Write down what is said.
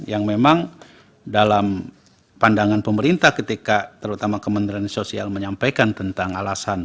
yang memang dalam pandangan pemerintah ketika terutama kementerian sosial menyampaikan tentang alasan